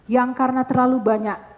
yang karena terlalu banyak